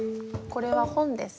「これは本です」